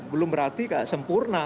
belum berarti sempurna